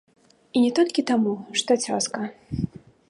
І не толькі таму, што цёзка.